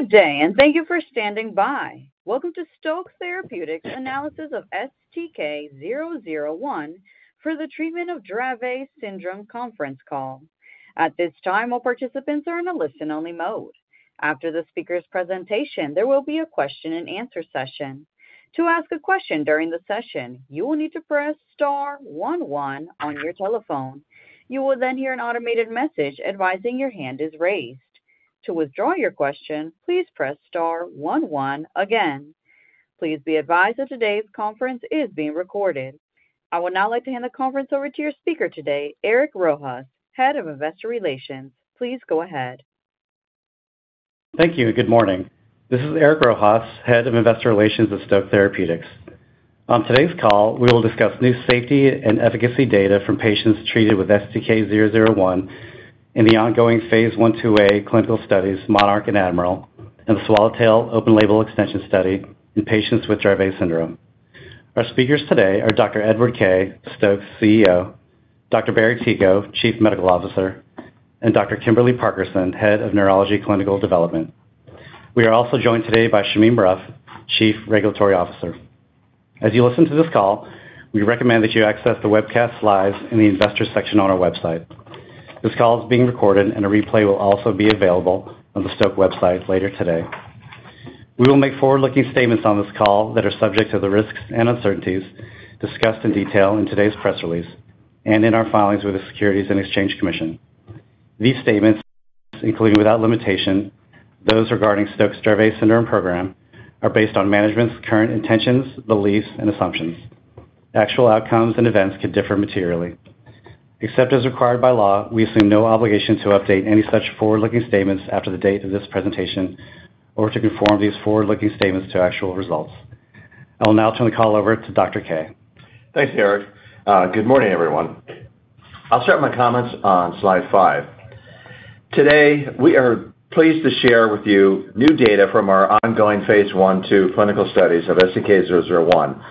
Good day. Thank you for standing by. Welcome to Stoke Therapeutics Analysis of STK-001 for the treatment of Dravet syndrome conference call. At this time, all participants are in a listen-only mode. After the speaker's presentation, there will be a question-and-answer session. To ask a question during the session, you will need to press star one one on your telephone. You will hear an automated message advising your hand is raised. To withdraw your question, please press star one one again. Please be advised that today's conference is being recorded. I would now like to hand the conference over to your speaker today, Eric Rojas, Head of Investor Relations. Please go ahead. Thank you, and good morning. This is Eric Rojas, Head of Investor Relations at Stoke Therapeutics. On today's call, we will discuss new safety and efficacy data from patients treated with STK-001 in the ongoing Phase I/IIa clinical studies, MONARCH and ADMIRAL, and the SWALLOWTAIL open-label extension study in patients with Dravet syndrome. Our speakers today are Dr. Edward Kaye, Stoke's CEO, Dr. Barry Ticho, Chief Medical Officer, and Dr. Kimberly Parkerson, Head of Neurology Clinical Development. We are also joined today by Shamim Ruff, Chief Regulatory Officer. As you listen to this call, we recommend that you access the webcast live in the investor section on our website. This call is being recorded, and a replay will also be available on the Stoke website later today. We will make forward-looking statements on this call that are subject to the risks and uncertainties discussed in detail in today's press release and in our filings with the Securities and Exchange Commission. These statements, including without limitation, those regarding Stoke's Dravet syndrome program, are based on management's current intentions, beliefs, and assumptions. Actual outcomes and events could differ materially. Except as required by law, we assume no obligation to update any such forward-looking statements after the date of this presentation or to conform these forward-looking statements to actual results. I will now turn the call over to Dr. Kaye. Thanks, Eric. Good morning, everyone. I'll start my comments on slide 5. Today, we are pleased to share with you new data from our ongoing Phase I/IIa clinical studies of STK-001,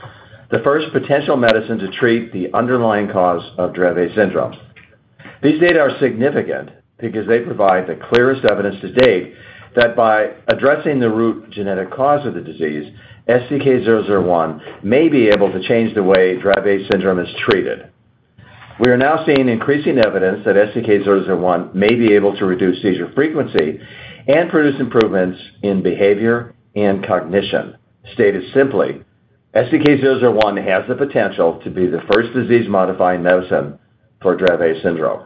the first potential medicine to treat the underlying cause of Dravet syndrome. These data are significant because they provide the clearest evidence to date that by addressing the root genetic cause of the disease, STK-001 may be able to change the way Dravet syndrome is treated. We are now seeing increasing evidence that STK-001 may be able to reduce seizure frequency and produce improvements in behavior and cognition. Stated simply, STK-001 has the potential to be the first disease-modifying medicine for Dravet syndrome.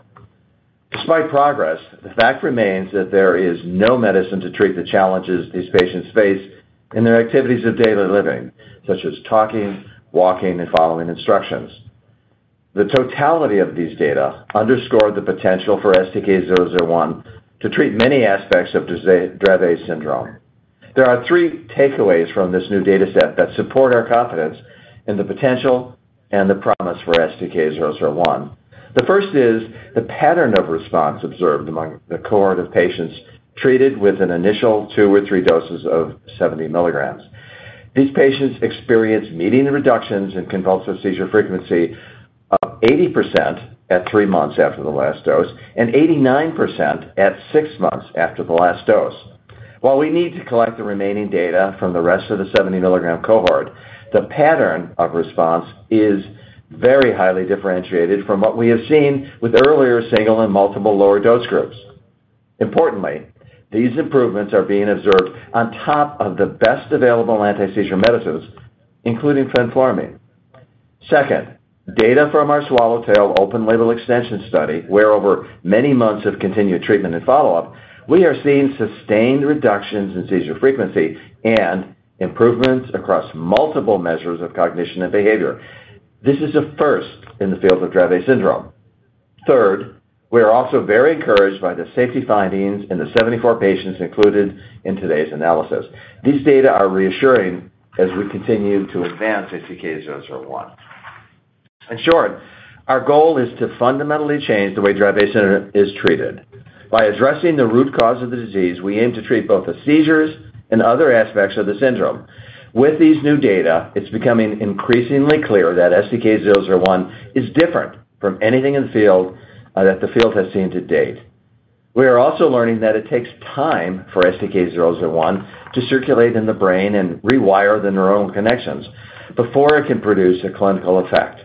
Despite progress, the fact remains that there is no medicine to treat the challenges these patients face in their activities of daily living, such as talking, walking, and following instructions. The totality of these data underscore the potential for STK-001 to treat many aspects of Dravet syndrome. There are three takeaways from this new dataset that support our confidence in the potential and the promise for STK-001. The first is the pattern of response observed among the cohort of patients treated with an initial two or three doses of 70 milligrams. These patients experienced median reductions in convulsive seizure frequency of 80% at three months after the last dose, and 89% at six months after the last dose. While we need to collect the remaining data from the rest of the 70 mg cohort, the pattern of response is very highly differentiated from what we have seen with earlier single and multiple lower dose groups. Importantly, these improvements are being observed on top of the best available anti-seizure medicines, including fenfluramine. Second, data from our Swallowtail open-label extension study, where over many months of continued treatment and follow-up, we are seeing sustained reductions in seizure frequency and improvements across multiple measures of cognition and behavior. This is a first in the field of Dravet syndrome. Third, we are also very encouraged by the safety findings in the 74 patients included in today's analysis. These data are reassuring as we continue to advance STK-001. In short, our goal is to fundamentally change the way Dravet syndrome is treated. By addressing the root cause of the disease, we aim to treat both the seizures and other aspects of the syndrome. With these new data, it's becoming increasingly clear that STK-001 is different from anything in the field, that the field has seen to date. We are also learning that it takes time for STK-001 to circulate in the brain and rewire the neuronal connections before it can produce a clinical effect.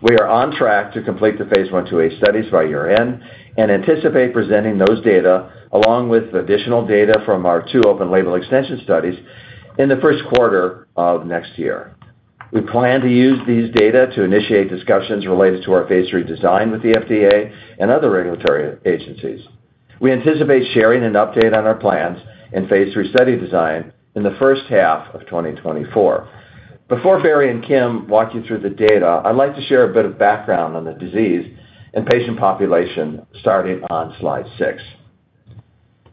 We are on track to complete the Phase I/IIa studies by year-end and anticipate presenting those data, along with additional data from our two open-label extension studies, in the Q1 of next year. We plan to use these data to initiate discussions related to our Phase III design with the FDA and other regulatory agencies. We anticipate sharing an update on our plans in Phase III study design in the H1 of 2024. Before Barry and Kim walk you through the data, I'd like to share a bit of background on the disease and patient population, starting on slide six.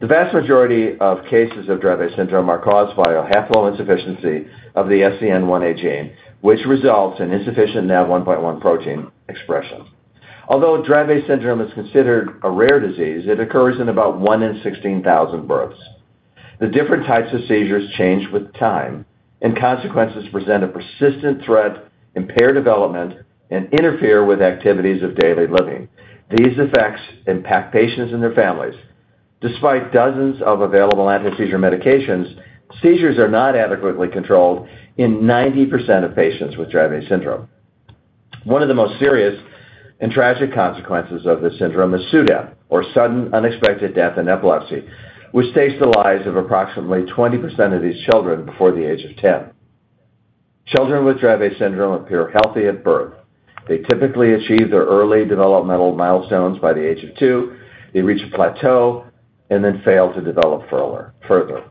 The vast majority of cases of Dravet syndrome are caused by a haploinsufficiency of the SCN1A gene, which results in insufficient NAV1.1 protein expression. Although Dravet syndrome is considered a rare disease, it occurs in about one in 16,000 births. The different types of seizures change with time, and consequences present a persistent threat, impair development, and interfere with activities of daily living. These effects impact patients and their families. Despite dozens of available antiseizure medications, seizures are not adequately controlled in 90% of patients with Dravet syndrome. One of the most serious and tragic consequences of this syndrome is SUDEP, or sudden unexpected death in epilepsy, which takes the lives of approximately 20% of these children before the age of 10. Children with Dravet syndrome appear healthy at birth. They typically achieve their early developmental milestones by the age of 2. They reach a plateau and then fail to develop further.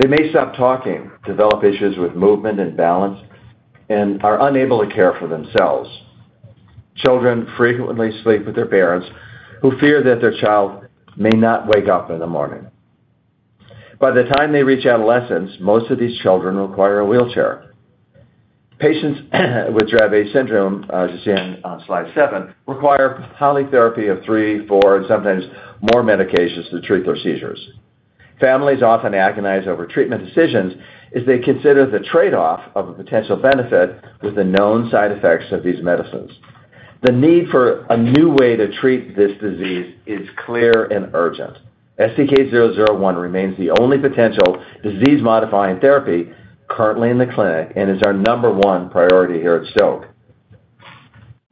They may stop talking, develop issues with movement and balance, and are unable to care for themselves. Children frequently sleep with their parents, who fear that their child may not wake up in the morning. By the time they reach adolescence, most of these children require a wheelchair. Patients with Dravet syndrome, as you see on slide 7, require polytherapy of 3, 4, and sometimes more medications to treat their seizures. Families often agonize over treatment decisions as they consider the trade-off of a potential benefit with the known side effects of these medicines. The need for a new way to treat this disease is clear and urgent. STK-001 remains the only potential disease-modifying therapy currently in the clinic and is our number one priority here at Stoke.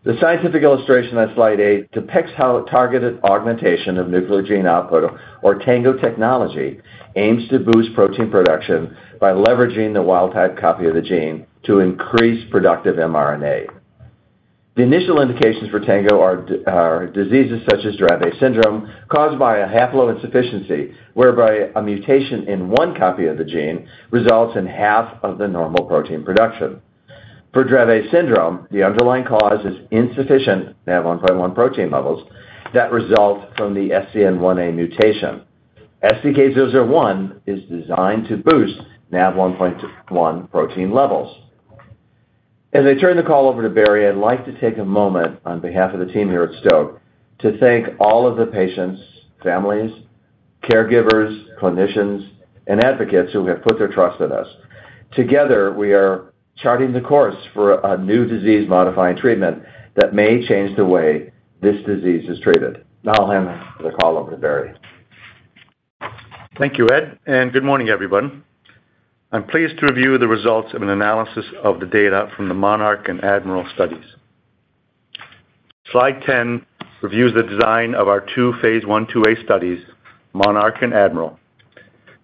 The scientific illustration on slide eight depicts how targeted augmentation of nuclear gene output, or TANGO technology, aims to boost protein production by leveraging the wild type copy of the gene to increase productive mRNA. The initial indications for TANGO are diseases such as Dravet syndrome, caused by a haploinsufficiency, whereby a mutation in one copy of the gene results in half of the normal protein production. For Dravet syndrome, the underlying cause is insufficient NAV1.1 protein levels that result from the SCN1A mutation. STK-001 is designed to boost NAV1.1 protein levels. As I turn the call over to Barry, I'd like to take a moment on behalf of the team here at Stoke to thank all of the patients, families, caregivers, clinicians, and advocates who have put their trust in us. Together, we are charting the course for a new disease-modifying treatment that may change the way this disease is treated. Now I'll hand the call over to Barry. Thank you, Ed. Good morning, everyone. I'm pleased to review the results of an analysis of the data from the MONARCH and ADMIRAL studies. Slide 10 reviews the design of our two Phase I/IIa studies, MONARCH and ADMIRAL.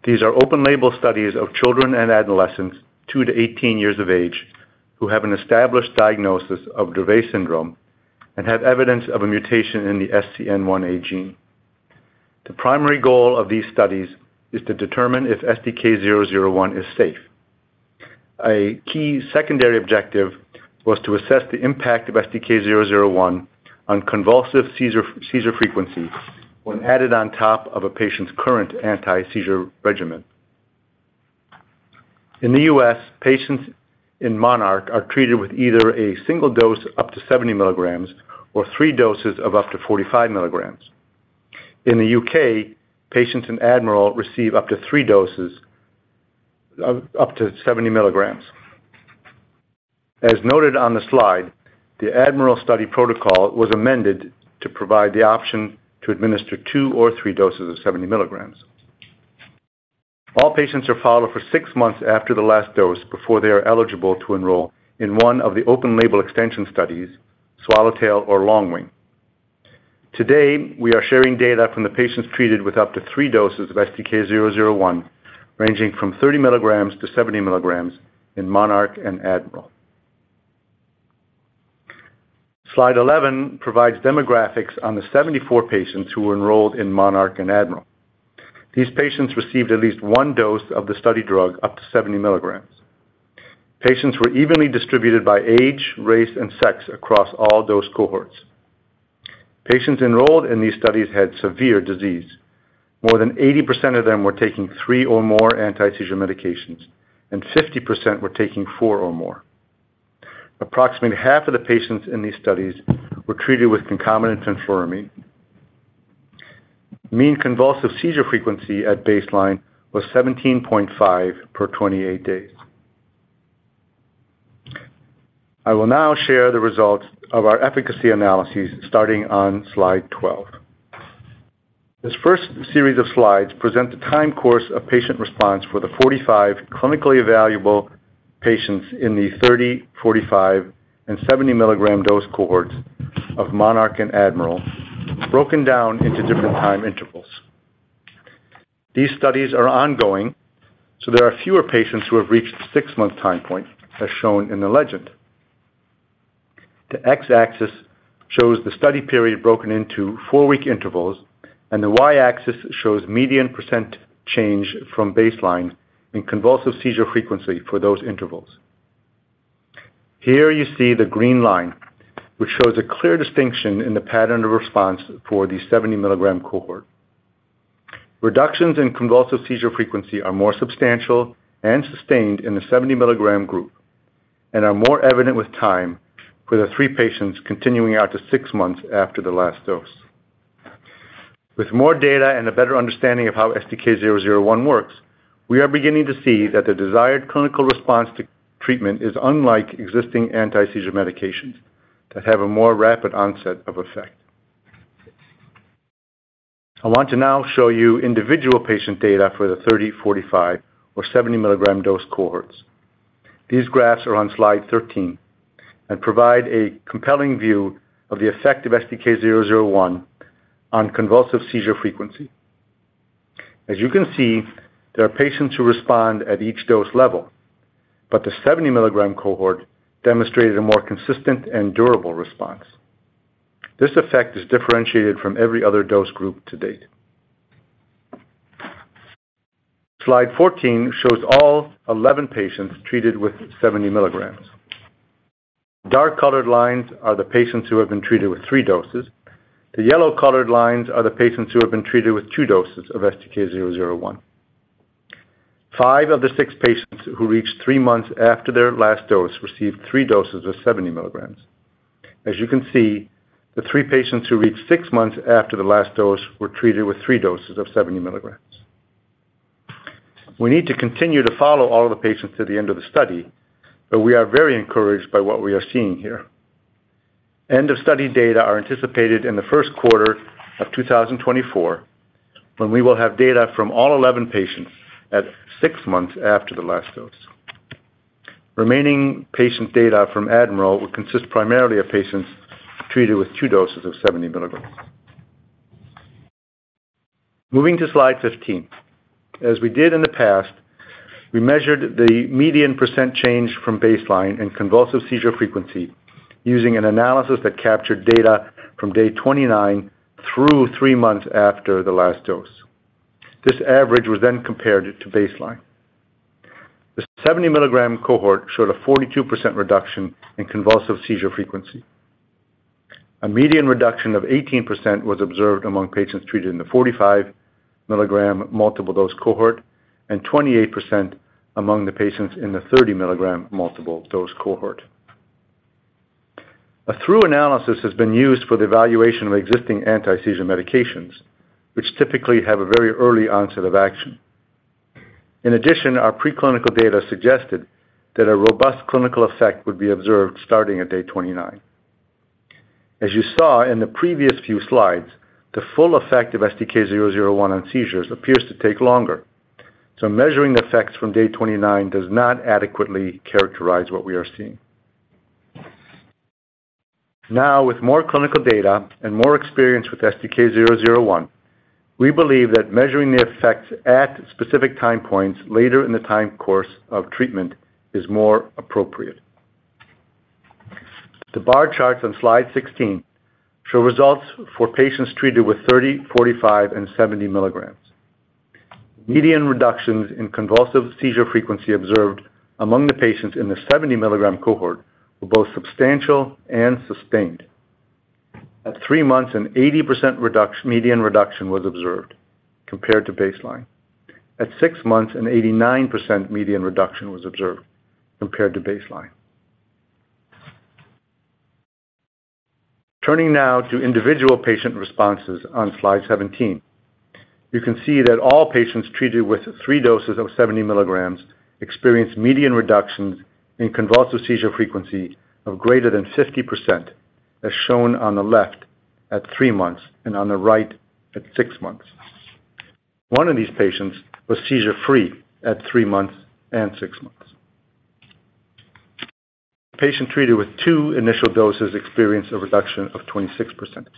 These are open-label studies of children and adolescents, 2 to 18 years of age, who have an established diagnosis of Dravet syndrome and have evidence of a mutation in the SCN1A gene. The primary goal of these studies is to determine if STK-001 is safe. A key secondary objective was to assess the impact of STK-001 on convulsive seizure frequency when added on top of a patient's current antiseizure regimen. In the U.S., patients in MONARCH are treated with either a single dose up to 70 milligrams or 3 doses of up to 45 milligrams. In the U.K., patients in ADMIRAL receive up to 3 doses of up to 70 milligrams. As noted on the slide, the ADMIRAL study protocol was amended to provide the option to administer 2 or 3 doses of 70 milligrams. All patients are followed for 6 months after the last dose before they are eligible to enroll in one of the open-label extension studies, SWALLOWTAIL or LONGWING. Today, we are sharing data from the patients treated with up to 3 doses of STK-001, ranging from 30 milligrams to 70 milligrams in MONARCH and ADMIRAL. Slide 11 provides demographics on the 74 patients who were enrolled in MONARCH and ADMIRAL. These patients received at least 1 dose of the study drug, up to 70 milligrams. Patients were evenly distributed by age, race, and sex across all dose cohorts. Patients enrolled in these studies had severe disease. More than 80% of them were taking 3 or more anti-seizure medications, and 50% were taking 4 or more. Approximately half of the patients in these studies were treated with concomitant phenobarbital. Mean convulsive seizure frequency at baseline was 17.5 per 28 days. I will now share the results of our efficacy analyses, starting on slide 12. This first series of slides present the time course of patient response for the 45 clinically valuable patients in the 30, 45, and 70 milligram dose cohorts of MONARCH and ADMIRAL, broken down into different time intervals. These studies are ongoing, so there are fewer patients who have reached the 6-month time point, as shown in the legend. The x-axis shows the study period broken into 4-week intervals, and the y-axis shows median % change from baseline in convulsive seizure frequency for those intervals. Here you see the green line, which shows a clear distinction in the pattern of response for the 70-milligram cohort. Reductions in convulsive seizure frequency are more substantial and sustained in the 70-milligram group and are more evident with time for the three patients continuing out to six months after the last dose. With more data and a better understanding of how STK-001 works, we are beginning to see that the desired clinical response to treatment is unlike existing anti-seizure medications.... that have a more rapid onset of effect. I want to now show you individual patient data for the 30, 45, or 70-milligram dose cohorts. These graphs are on slide 13 and provide a compelling view of the effect of STK-001 on convulsive seizure frequency. As you can see, there are patients who respond at each dose level, but the 70 milligram cohort demonstrated a more consistent and durable response. This effect is differentiated from every other dose group to date. Slide 14 shows all 11 patients treated with 70 milligrams. Dark-colored lines are the patients who have been treated with three doses. The yellow-colored lines are the patients who have been treated with two doses of STK-001. Five of the six patients who reached three months after their last dose received three doses of 70 milligrams. As you can see, the three patients who reached six months after the last dose were treated with three doses of 70 milligrams. We need to continue to follow all of the patients to the end of the study, but we are very encouraged by what we are seeing here. End of study data are anticipated in the 1st quarter of 2024, when we will have data from all 11 patients at 6 months after the last dose. Remaining patient data from ADMIRAL will consist primarily of patients treated with two doses of 70 milligrams. Moving to slide 15. As we did in the past, we measured the median % change from baseline in convulsive seizure frequency, using an analysis that captured data from day 29 through three months after the last dose. This average was then compared to baseline. The 70 milligram cohort showed a 42% reduction in convulsive seizure frequency. A median reduction of 18% was observed among patients treated in the 45 milligram multiple dose cohort, and 28% among the patients in the 30 milligram multiple dose cohort. A thorough analysis has been used for the evaluation of existing antiseizure medications, which typically have a very early onset of action. Our preclinical data suggested that a robust clinical effect would be observed starting at day 29. You saw in the previous few slides, the full effect of STK-001 on seizures appears to take longer, so measuring the effects from day 29 does not adequately characterize what we are seeing. With more clinical data and more experience with STK-001, we believe that measuring the effects at specific time points later in the time course of treatment is more appropriate. The bar charts on slide 16 show results for patients treated with 30, 45, and 70 milligrams. Median reductions in convulsive seizure frequency observed among the patients in the 70 milligram cohort were both substantial and sustained. At three months, an 80% median reduction was observed compared to baseline. At six months, an 89% median reduction was observed compared to baseline. Turning now to individual patient responses on slide 17. You can see that all patients treated with three doses of 70 milligrams experienced median reductions in convulsive seizure frequency of greater than 50%, as shown on the left at three months and on the right at six months. One of these patients was seizure-free at three months and six months. Patient treated with two initial doses experienced a reduction of 26%.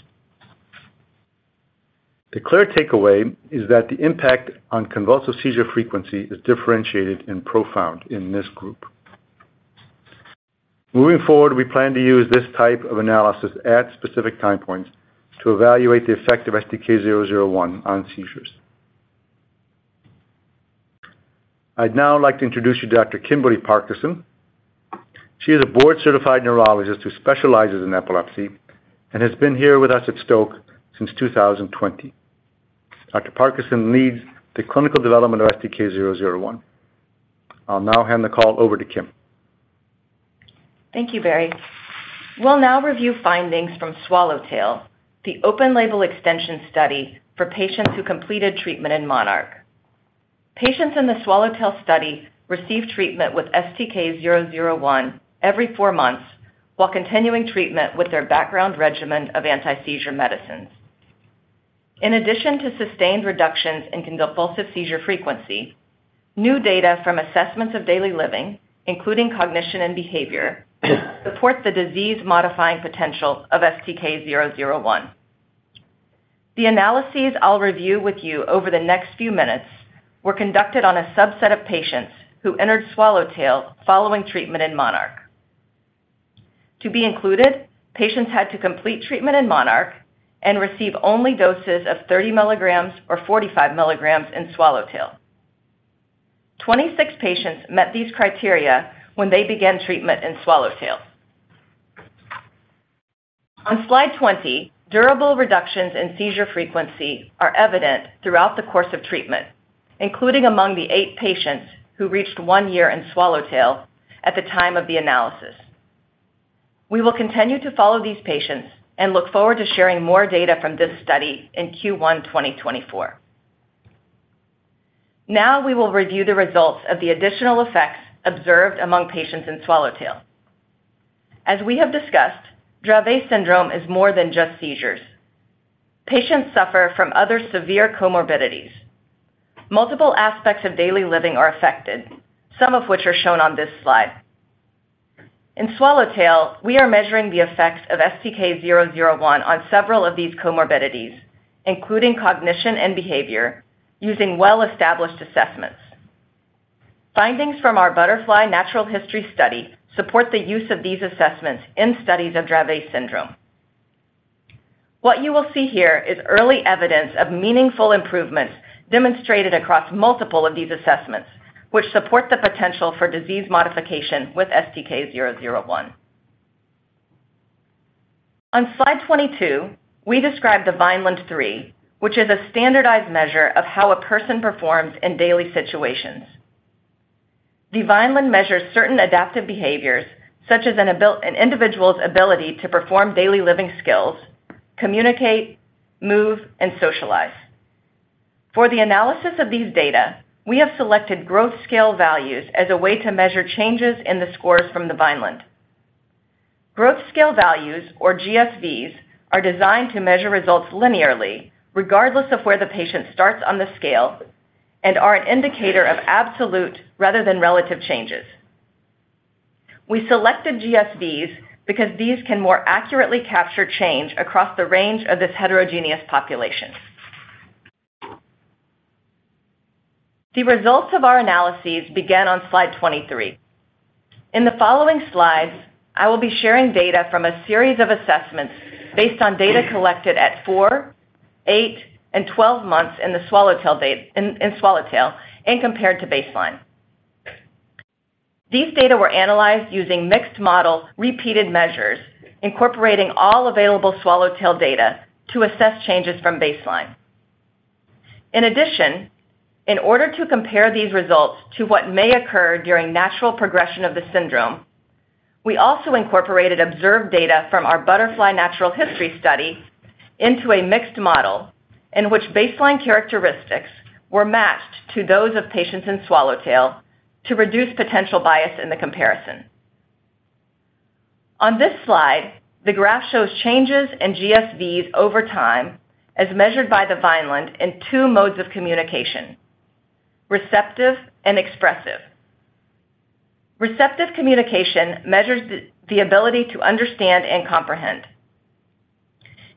The clear takeaway is that the impact on convulsive seizure frequency is differentiated and profound in this group. Moving forward, we plan to use this type of analysis at specific time points to evaluate the effect of STK-001 on seizures. I'd now like to introduce you to Dr. Kimberly Parkerson. She is a board-certified neurologist who specializes in epilepsy and has been here with us at Stoke since 2020. Dr. Parkerson leads the clinical development of STK-001. I'll now hand the call over to Kim. Thank you, Barry. We'll now review findings from SWALLOWTAIL, the open-label extension study for patients who completed treatment in MONARCH. Patients in the SWALLOWTAIL study received treatment with STK-001 every 4 months while continuing treatment with their background regimen of anti-seizure medicines. In addition to sustained reductions in convulsive seizure frequency, new data from assessments of daily living, including cognition and behavior, support the disease-modifying potential of STK-001. The analyses I'll review with you over the next few minutes were conducted on a subset of patients who entered SWALLOWTAIL following treatment in MONARCH. To be included, patients had to complete treatment in MONARCH and receive only doses of 30 milligrams or 45 milligrams in SWALLOWTAIL. 26 patients met these criteria when they began treatment in SWALLOWTAIL. On slide 20, durable reductions in seizure frequency are evident throughout the course of treatment, including among the 8 patients who reached 1 year in SWALLOWTAIL at the time of the analysis. We will continue to follow these patients and look forward to sharing more data from this study in Q1 2024. Now we will review the results of the additional effects observed among patients in SWALLOWTAIL. As we have discussed, Dravet syndrome is more than just seizures. Patients suffer from other severe comorbidities. Multiple aspects of daily living are affected, some of which are shown on this slide. In SWALLOWTAIL, we are measuring the effects of STK-001 on several of these comorbidities, including cognition and behavior, using well-established assessments. Findings from our BUTTERFLY natural history study support the use of these assessments in studies of Dravet syndrome. What you will see here is early evidence of meaningful improvements demonstrated across multiple of these assessments, which support the potential for disease modification with STK-001. On slide 22, we describe the Vineland-3, which is a standardized measure of how a person performs in daily situations. The Vineland measures certain adaptive behaviors, such as an individual's ability to perform daily living skills, communicate, move, and socialize. For the analysis of these data, we have selected Growth Scale Values as a way to measure changes in the scores from the Vineland. Growth Scale Values, or GSVs, are designed to measure results linearly, regardless of where the patient starts on the scale, and are an indicator of absolute rather than relative changes. We selected GSVs because these can more accurately capture change across the range of this heterogeneous population. The results of our analyses begin on slide 23. In the following slides, I will be sharing data from a series of assessments based on data collected at 4, 8, and 12 months in the SWALLOWTAIL data, in SWALLOWTAIL and compared to baseline. These data were analyzed using mixed model repeated measures, incorporating all available SWALLOWTAIL data to assess changes from baseline. In addition, in order to compare these results to what may occur during natural progression of the syndrome, we also incorporated observed data from our BUTTERFLY natural history study into a mixed model, in which baseline characteristics were matched to those of patients in SWALLOWTAIL to reduce potential bias in the comparison. On this slide, the graph shows changes in GSVs over time, as measured by the Vineland in two modes of communication: receptive and expressive. Receptive communication measures the ability to understand and comprehend.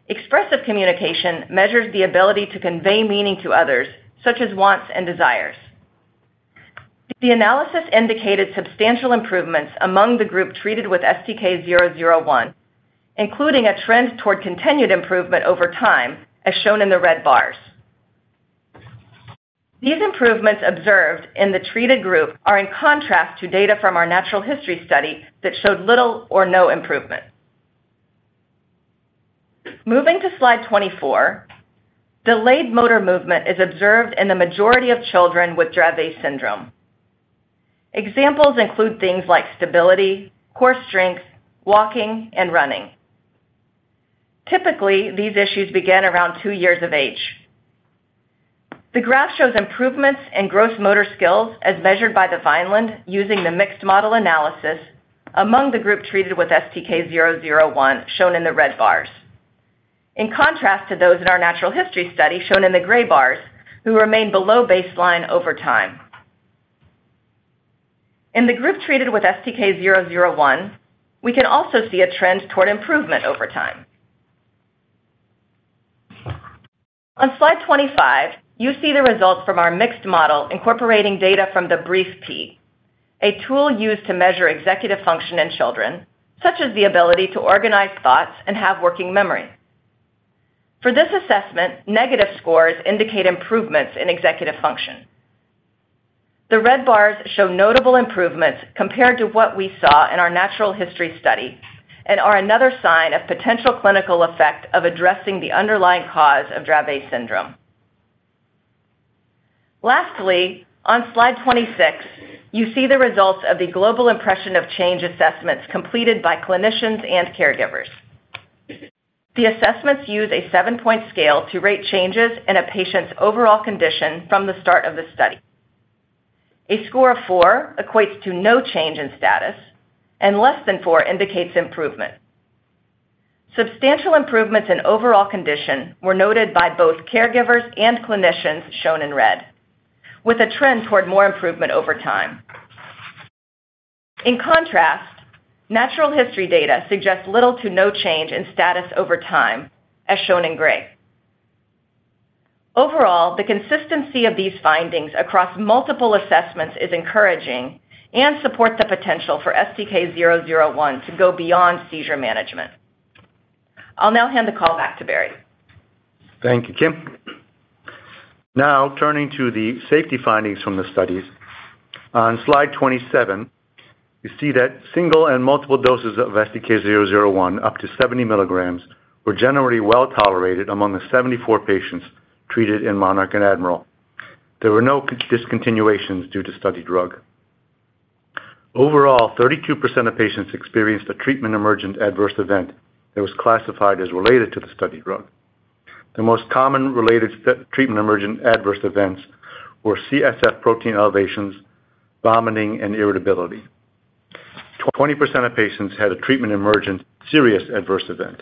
Expressive communication measures the ability to convey meaning to others, such as wants and desires. The analysis indicated substantial improvements among the group treated with STK-001, including a trend toward continued improvement over time, as shown in the red bars. These improvements observed in the treated group are in contrast to data from our natural history study that showed little or no improvement. Moving to slide 24, delayed motor movement is observed in the majority of children with Dravet syndrome. Examples include things like stability, core strength, walking, and running. Typically, these issues begin around 2 years of age. The graph shows improvements in gross motor skills as measured by the Vineland, using the mixed model analysis among the group treated with STK-001, shown in the red bars. In contrast to those in our natural history study, shown in the gray bars, who remain below baseline over time. In the group treated with STK-001, we can also see a trend toward improvement over time. On slide 25, you see the results from our mixed model, incorporating data from the BRIEF-P, a tool used to measure executive function in children, such as the ability to organize thoughts and have working memory. For this assessment, negative scores indicate improvements in executive function. The red bars show notable improvements compared to what we saw in our natural history study and are another sign of potential clinical effect of addressing the underlying cause of Dravet syndrome. Lastly, on slide 26, you see the results of the Global Impression of Change assessments completed by clinicians and caregivers. The assessments use a seven-point scale to rate changes in a patient's overall condition from the start of the study. A score of four equates to no change in status, and less than four indicates improvement. Substantial improvements in overall condition were noted by both caregivers and clinicians, shown in red, with a trend toward more improvement over time. In contrast, natural history data suggests little to no change in status over time, as shown in gray. Overall, the consistency of these findings across multiple assessments is encouraging and support the potential for STK-001 to go beyond seizure management. I'll now hand the call back to Barry. Thank you, Kim. Turning to the safety findings from the studies. On slide 27, you see that single and multiple doses of STK-001, up to 70 milligrams, were generally well-tolerated among the 74 patients treated in MONARCH and ADMIRAL. There were no discontinuations due to study drug. Overall, 32% of patients experienced a treatment-emergent adverse event that was classified as related to the study drug. The most common related treatment-emergent adverse events were CSF protein elevations, vomiting, and irritability. 20% of patients had a treatment-emergent serious adverse event.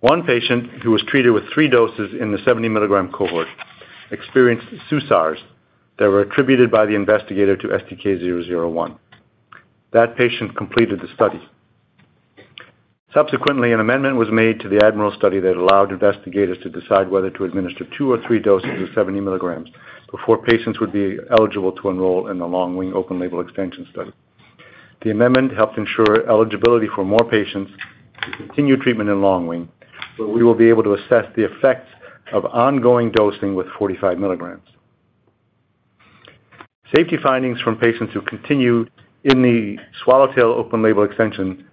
One patient, who was treated with 3 doses in the 70-milligram cohort, experienced SUSARs that were attributed by the investigator to STK-001. That patient completed the study. Subsequently, an amendment was made to the ADMIRAL study that allowed investigators to decide whether to administer 2 or 3 doses of 70 milligrams before patients would be eligible to enroll in the LONGWING open-label extension study. The amendment helped ensure eligibility for more patients to continue treatment in LONGWING, where we will be able to assess the effects of ongoing dosing with 45 milligrams. Safety findings from patients who continued in the SWALLOWTAIL open-label extension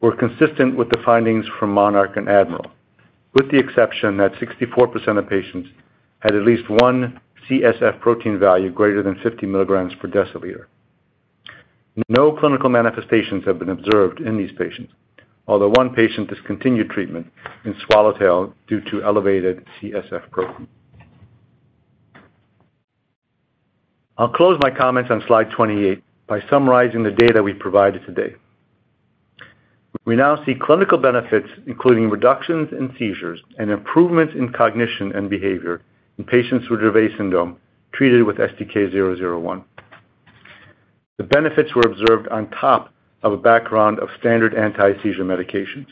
were consistent with the findings from MONARCH and ADMIRAL, with the exception that 64% of patients had at least one CSF protein value greater than 50 milligrams per deciliter. No clinical manifestations have been observed in these patients, although one patient discontinued treatment in SWALLOWTAIL due to elevated CSF protein. I'll close my comments on slide 28 by summarizing the data we provided today. We now see clinical benefits, including reductions in seizures and improvements in cognition and behavior, in patients with Dravet syndrome treated with STK-001. The benefits were observed on top of a background of standard anti-seizure medications.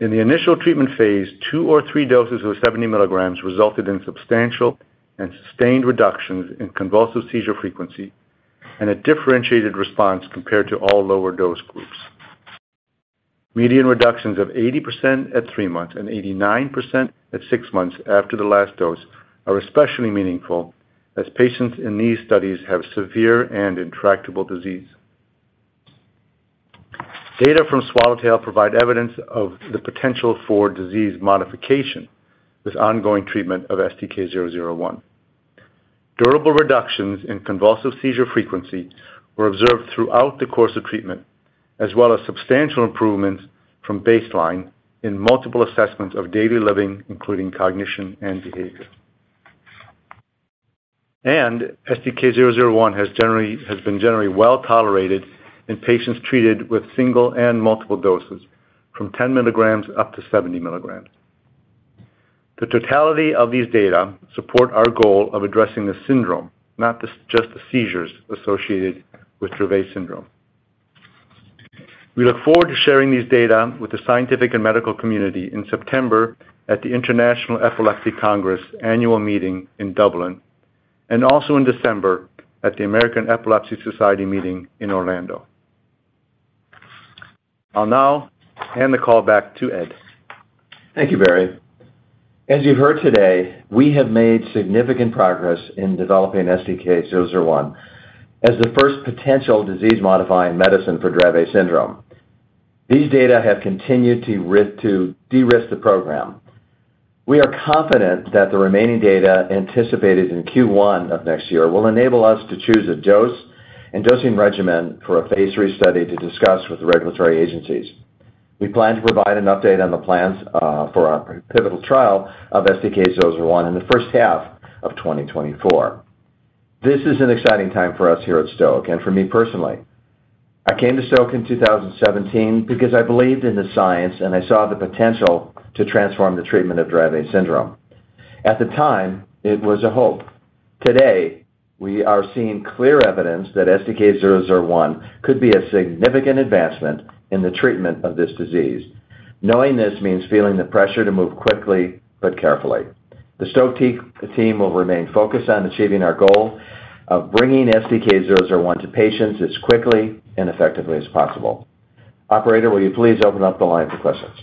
In the initial treatment phase, II or III doses of 70 milligrams resulted in substantial and sustained reductions in convulsive seizure frequency, and a differentiated response compared to all lower dose groups. Median reductions of 80% at 3 months and 89% at 6 months after the last dose are especially meaningful, as patients in these studies have severe and intractable disease. Data from SWALLOWTAIL provide evidence of the potential for disease modification with ongoing treatment of STK-001. Durable reductions in convulsive seizure frequency were observed throughout the course of treatment, as well as substantial improvements from baseline in multiple assessments of daily living, including cognition and behavior. STK-001 has been generally well tolerated in patients treated with single and multiple doses, from 10 milligrams up to 70 milligrams. The totality of these data support our goal of addressing the syndrome, not just the seizures associated with Dravet syndrome. We look forward to sharing these data with the scientific and medical community in September at the International Epilepsy Congress annual meeting in Dublin, and also in December at the American Epilepsy Society meeting in Orlando. I'll now hand the call back to Ed. Thank you, Barry. As you've heard today, we have made significant progress in developing STK-001 as the first potential disease-modifying medicine for Dravet syndrome. These data have continued to de-risk the program. We are confident that the remaining data anticipated in Q1 of next year will enable us to choose a dose and dosing regimen for a phase III study to discuss with the regulatory agencies. We plan to provide an update on the plans for our pivotal trial of STK-001 in the H1 of 2024. This is an exciting time for us here at Stoke, and for me personally. I came to Stoke in 2017 because I believed in the science, and I saw the potential to transform the treatment of Dravet syndrome. At the time, it was a hope. Today, we are seeing clear evidence that STK-001 could be a significant advancement in the treatment of this disease. Knowing this means feeling the pressure to move quickly but carefully. The Stoke team will remain focused on achieving our goal of bringing STK-001 to patients as quickly and effectively as possible. Operator, will you please open up the line for questions?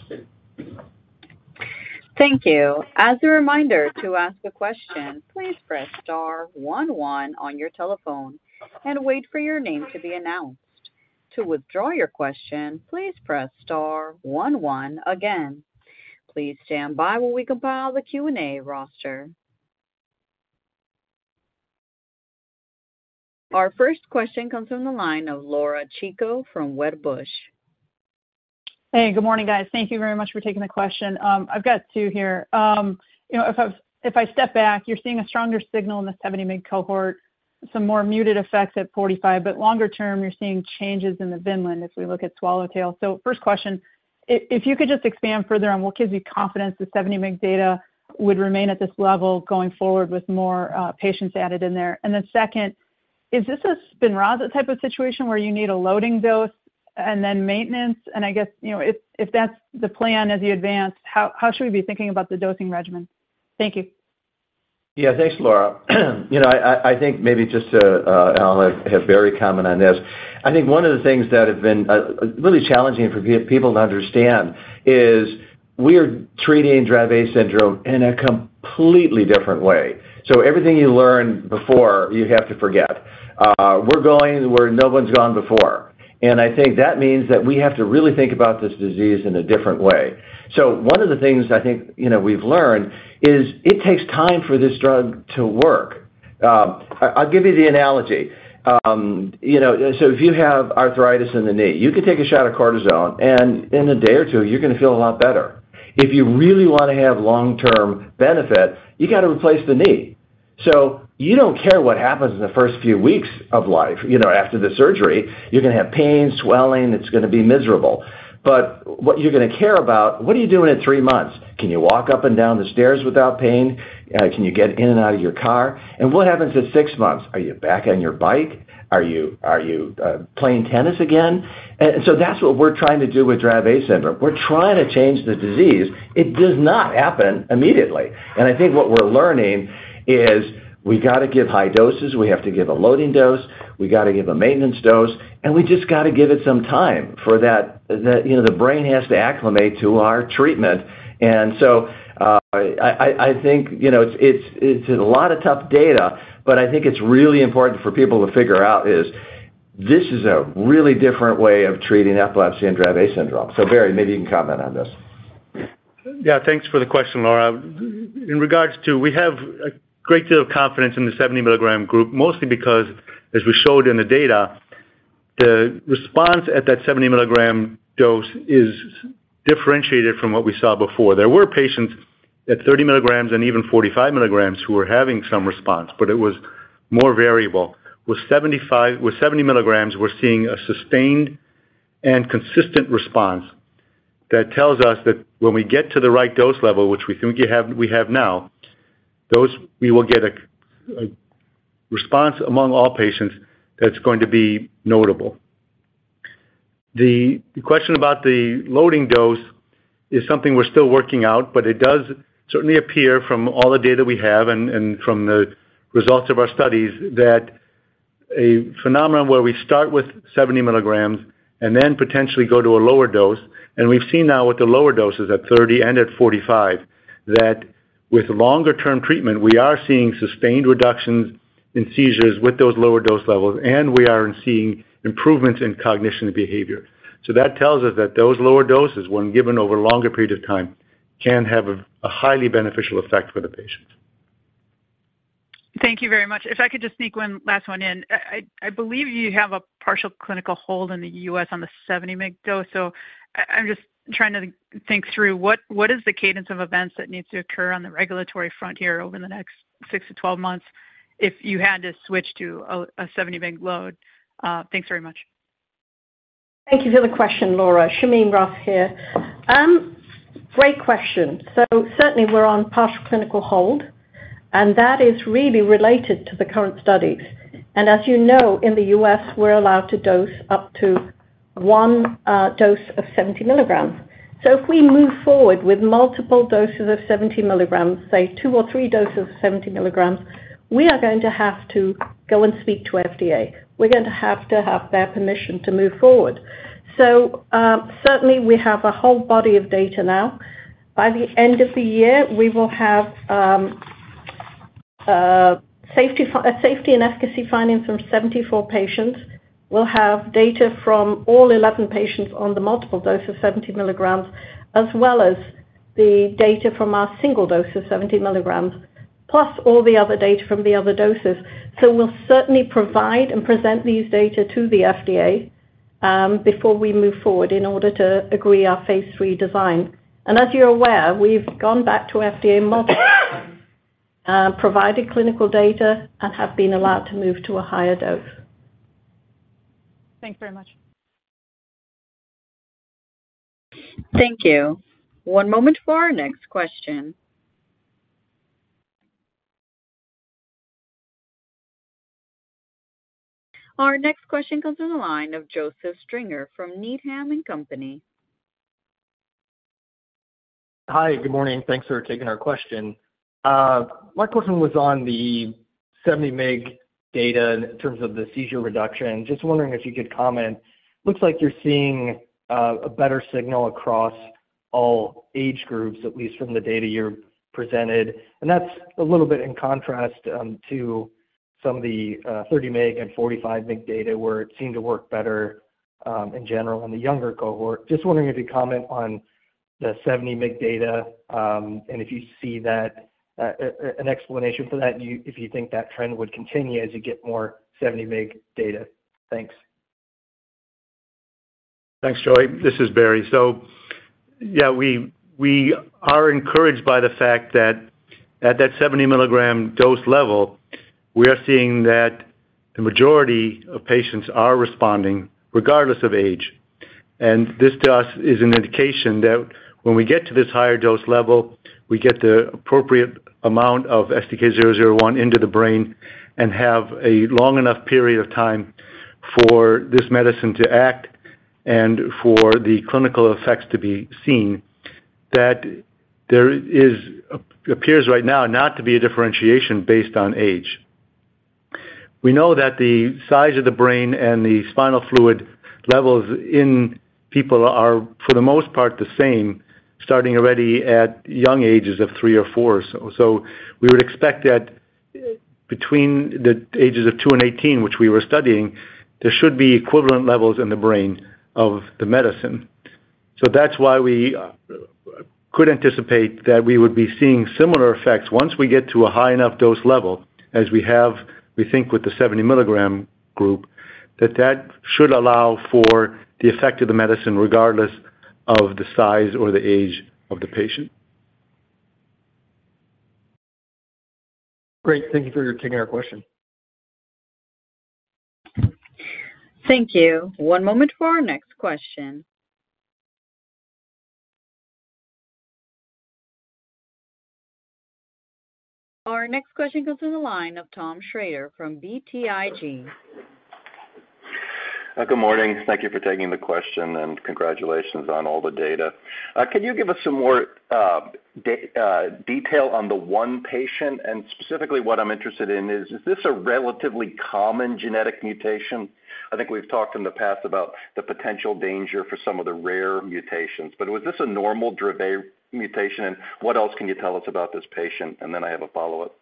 Thank you. As a reminder, to ask a question, please press star 11 on your telephone and wait for your name to be announced. To withdraw your question, please press star 11 again. Please stand by while we compile the Q&A roster. Our first question comes from the line of Laura Chico from Wedbush. Hey, good morning, guys. Thank you very much for taking the question. I've got two here. You know, if I, if I step back, you're seeing a stronger signal in the 70 mg cohort, some more muted effects at 45, but longer term, you're seeing changes in the Vineland-3 as we look at SWALLOWTAIL. First question, if you could just expand further on what gives you confidence the 70 mg data would remain at this level going forward with more patients added in there. Second, is this a SPINRAZA type of situation where you need a loading dose and then maintenance? I guess, you know, if that's the plan as you advance, how should we be thinking about the dosing regimen? Thank you. Thanks, Laura. You know, I think maybe just to, and I'll have Barry Ticho comment on this. I think one of the things that have been really challenging for people to understand is we are treating Dravet syndrome in a completely different way. Everything you learned before, you have to forget. We're going where no one's gone before... I think that means that we have to really think about this disease in a different way. One of the things I think, you know, we've learned is it takes time for this drug to work. I'll give you the analogy. You know, if you have arthritis in the knee, you can take a shot of cortisone, and in a day or two, you're gonna feel a lot better. If you really want to have long-term benefit, you got to replace the knee. You don't care what happens in the first few weeks of life. You know, after the surgery, you're gonna have pain, swelling, it's gonna be miserable. What you're gonna care about, what are you doing in 3 months? Can you walk up and down the stairs without pain? Can you get in and out of your car? What happens in 6 months? Are you back on your bike? Are you playing tennis again? That's what we're trying to do with Dravet syndrome. We're trying to change the disease. It does not happen immediately. I think what we're learning is we gotta give high doses, we have to give a loading dose, we gotta give a maintenance dose, and we just gotta give it some time for that, you know, the brain has to acclimate to our treatment. I think, you know, it's a lot of tough data, but I think it's really important for people to figure out is, this is a really different way of treating epilepsy and Dravet syndrome. Barry Ticho, maybe you can comment on this? Yeah, thanks for the question, Laura. We have a great deal of confidence in the 70 milligram group, mostly because, as we showed in the data, the response at that 70 milligram dose is differentiated from what we saw before. There were patients at 30 milligrams and even 45 milligrams who were having some response, but it was more variable. With 70 milligrams, we're seeing a sustained and consistent response. That tells us that when we get to the right dose level, which we think we have, we have now, we will get a response among all patients that's going to be notable. The question about the loading dose is something we're still working out, but it does certainly appear from all the data we have and from the results of our studies, that a phenomenon where we start with 70 milligrams and then potentially go to a lower dose, and we've seen now with the lower doses at 30 and at 45, that with longer-term treatment, we are seeing sustained reductions in seizures with those lower dose levels, and we are seeing improvements in cognition and behavior. That tells us that those lower doses, when given over a longer period of time, can have a highly beneficial effect for the patients. Thank you very much. If I could just sneak one last one in. I believe you have a partial clinical hold in the U.S. on the 70 mg dose, so I'm just trying to think through. What is the cadence of events that needs to occur on the regulatory front here over the next 6-12 months if you had to switch to a 70 mg load? Thanks very much. Thank you for the question, Laura. Shamim Ruff here. Great question. Certainly we're on partial clinical hold, that is really related to the current studies. As you know, in the U.S., we're allowed to dose up to 1 dose of 70 milligrams. If we move forward with multiple doses of 70 milligrams, say 2 or 3 doses of 70 milligrams, we are going to have to go and speak to FDA. We're going to have to have their permission to move forward. Certainly, we have a whole body of data now. By the end of the year, we will have safety and efficacy findings from 74 patients. We'll have data from all 11 patients on the multiple doses, 70 milligrams, as well as the data from our single dose of 70 milligrams, plus all the other data from the other doses. We'll certainly provide and present these data to the FDA, before we move forward in order to agree our phase III design. As you're aware, we've gone back to FDA multiple provided clinical data and have been allowed to move to a higher dose. Thanks very much. Thank you. One moment for our next question. Our next question comes in the line of Joseph Stringer from Needham & Company. Hi, good morning. Thanks for taking our question. My question was on the 70 mg data in terms of the seizure reduction. Just wondering if you could comment. Looks like you're seeing a better signal across all age groups, at least from the data you're presented. That's a little bit in contrast to some of the 30 mg and 45 mg data, where it seemed to work better in general, in the younger cohort. Just wondering if you could comment on the 70 mg data, and if you see that, an explanation for that, if you think that trend would continue as you get more 70 mg data. Thanks. Thanks, Joey. This is Barry. Yeah, we are encouraged by the fact that at that 70 milligram dose level, we are seeing that the majority of patients are responding regardless of age. This, to us, is an indication that when we get to this higher dose level, we get the appropriate amount of STK-001 into the brain and have a long enough period of time for this medicine to act and for the clinical effects to be seen, that appears right now not to be a differentiation based on age. We know that the size of the brain and the spinal fluid levels in people are, for the most part, the same, starting already at young ages of 3 or 4 or so. We would expect. between the ages of 2 and 18, which we were studying, there should be equivalent levels in the brain of the medicine. That's why we could anticipate that we would be seeing similar effects once we get to a high enough dose level, as we have, we think, with the 70-milligram group, that should allow for the effect of the medicine, regardless of the size or the age of the patient. Great. Thank you for taking our question. Thank you. One moment for our next question. Our next question comes from the line of Tom Shrader from BTIG. Good morning. Thank you for taking the question, and congratulations on all the data. Can you give us some more detail on the one patient? Specifically, what I'm interested in is this a relatively common genetic mutation? I think we've talked in the past about the potential danger for some of the rare mutations, but was this a normal Dravet mutation, and what else can you tell us about this patient? I have a follow-up.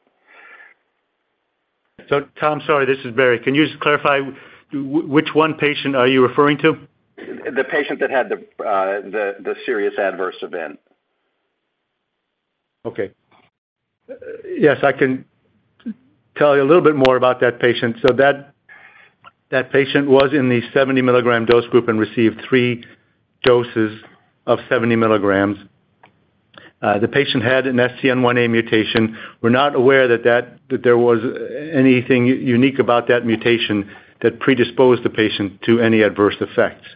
Tom, sorry, this is Barry. Can you just clarify which one patient are you referring to? The patient that had the serious adverse event. Okay. Yes, I can tell you a little bit more about that patient. That patient was in the 70-milligram dose group and received 3 doses of 70 milligrams. The patient had an SCN1A mutation. We're not aware that there was anything unique about that mutation that predisposed the patient to any adverse effects.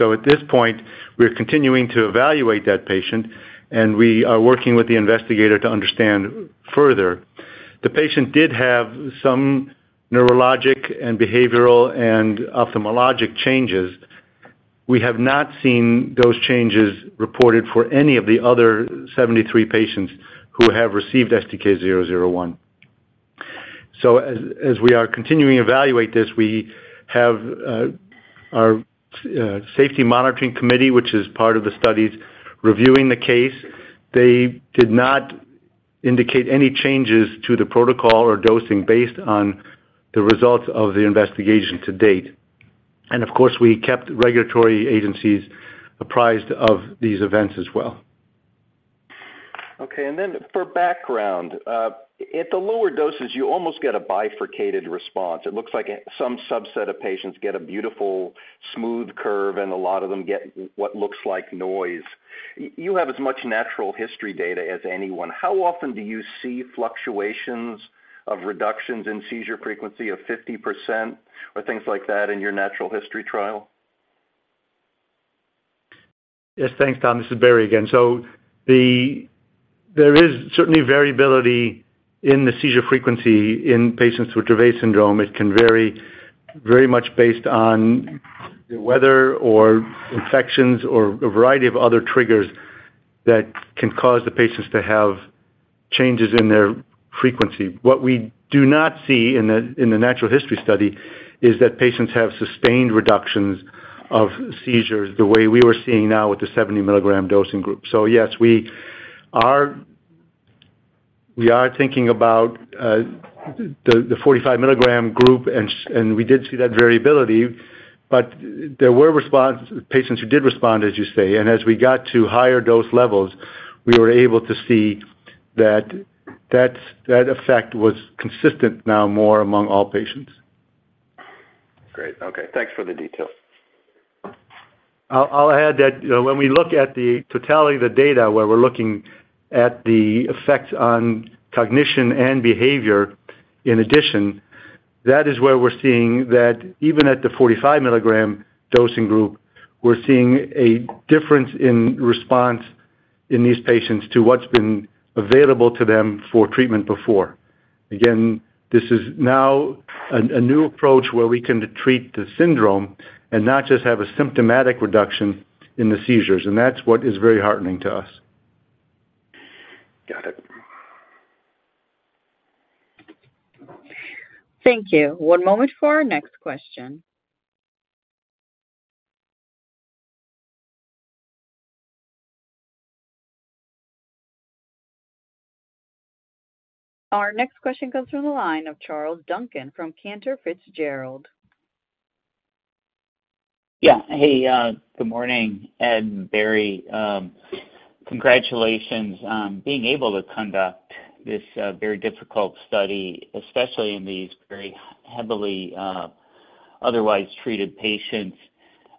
At this point, we're continuing to evaluate that patient, and we are working with the investigator to understand further. The patient did have some neurologic and behavioral and ophthalmologic changes. We have not seen those changes reported for any of the other 73 patients who have received STK-001. As we are continuing to evaluate this, we have our safety monitoring committee, which is part of the studies, reviewing the case. They did not indicate any changes to the protocol or dosing based on the results of the investigation to date. Of course, we kept regulatory agencies apprised of these events as well. Okay, for background, at the lower doses, you almost get a bifurcated response. It looks like a some subset of patients get a beautiful, smooth curve, and a lot of them get what looks like noise. You have as much natural history data as anyone. How often do you see fluctuations of reductions in seizure frequency of 50% or things like that in your natural history trial? Yes, thanks, Tom. This is Barry again. There is certainly variability in the seizure frequency in patients with Dravet syndrome. It can vary very much based on the weather or infections or a variety of other triggers that can cause the patients to have changes in their frequency. What we do not see in the natural history study is that patients have sustained reductions of seizures the way we were seeing now with the 70-milligram dosing group. Yes, we are, we are thinking about the 45-milligram group, and we did see that variability, but there were response, patients who did respond, as you say. As we got to higher dose levels, we were able to see that effect was consistent now more among all patients. Great. Okay. Thanks for the detail. I'll add that, you know, when we look at the totality of the data, where we're looking at the effects on cognition and behavior, in addition, that is where we're seeing that even at the 45 milligram dosing group, we're seeing a difference in response in these patients to what's been available to them for treatment before. This is now a new approach where we can treat the syndrome and not just have a symptomatic reduction in the seizures, and that's what is very heartening to us. Got it. Thank you. One moment for our next question. Our next question comes from the line of Charles Duncan from Cantor Fitzgerald. Yeah. Hey, good morning, Ed and Barry. Congratulations on being able to conduct this very difficult study, especially in these very heavily otherwise treated patients.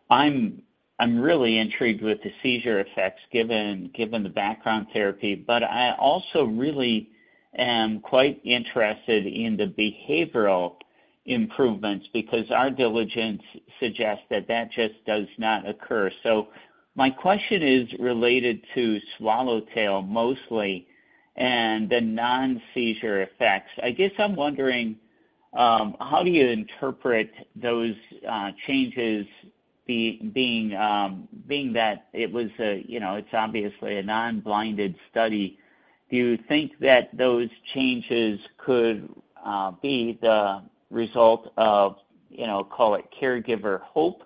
I'm really intrigued with the seizure effects, given the background therapy, but I also really am quite interested in the behavioral improvements because our diligence suggests that that just does not occur. My question is related to SWALLOWTAIL mostly and the non-seizure effects. I guess I'm wondering how do you interpret those changes being that it was a, you know, it's obviously a non-blinded study? Do you think that those changes could be the result of, you know, call it caregiver hope?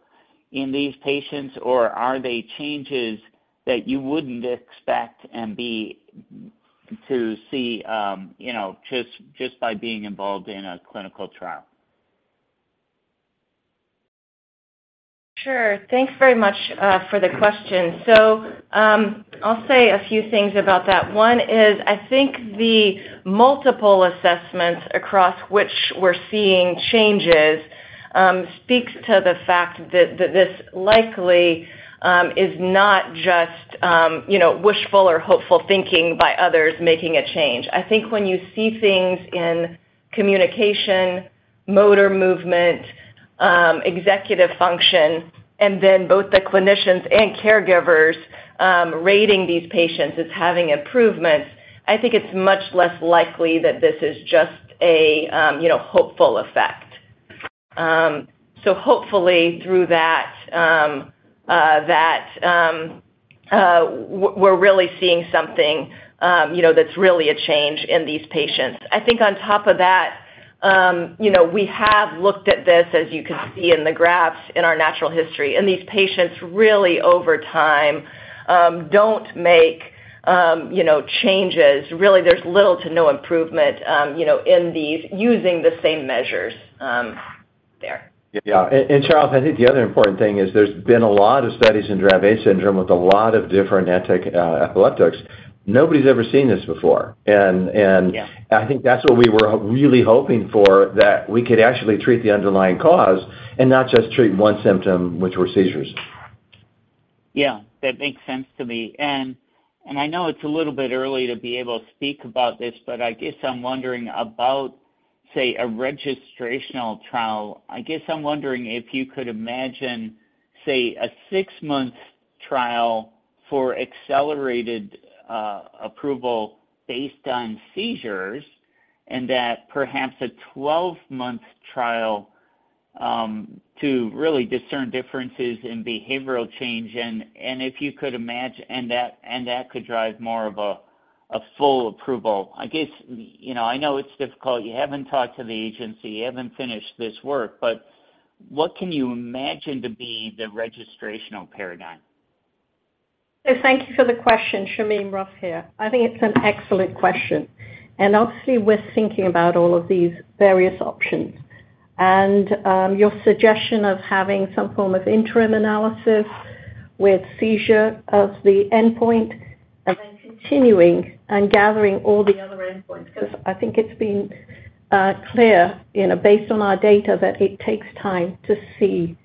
in these patients, or are they changes that you wouldn't expect to see, you know, just by being involved in a clinical trial? Sure. Thanks very much for the question. I'll say a few things about that. One is, I think the multiple assessments across which we're seeing changes, speaks to the fact that this likely is not just, you know, wishful or hopeful thinking by others making a change. I think when you see things in communication, motor movement, executive function, and then both the clinicians and caregivers, rating these patients as having improvements, I think it's much less likely that this is just a, you know, hopeful effect. Hopefully through that, we're really seeing something, you know, that's really a change in these patients. I think on top of that, you know, we have looked at this, as you can see in the graphs in our natural history. These patients really over time, don't make, you know, changes. Really, there's little to no improvement, you know, in these using the same measures, there. Yeah. Charles, I think the other important thing is there's been a lot of studies in Dravet syndrome with a lot of different antiepileptics. Nobody's ever seen this before. Yeah. I think that's what we were really hoping for, that we could actually treat the underlying cause and not just treat one symptom, which were seizures. Yeah, that makes sense to me. I know it's a little bit early to be able to speak about this, but I guess I'm wondering about, say, a registrational trial. I guess I'm wondering if you could imagine, say, a 6-month trial for accelerated approval based on seizures, and that perhaps a 12-month trial to really discern differences in behavioral change, and if you could imagine. That could drive more of a full approval. I guess, you know, I know it's difficult. You haven't talked to the agency, you haven't finished this work, but what can you imagine to be the registrational paradigm? Thank you for the question, Shamim Ruff here. I think it's an excellent question, and obviously, we're thinking about all of these various options. Your suggestion of having some form of interim analysis with seizure as the endpoint and then continuing and gathering all the other endpoints, 'cause I think it's been clear, you know, based on our data, that it takes time to see